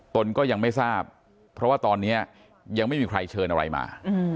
ตนก็ยังไม่ทราบเพราะว่าตอนนี้ยังไม่มีใครเชิญอะไรมา